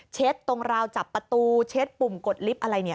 ตรงราวจับประตูเช็ดปุ่มกดลิฟต์อะไรเนี่ย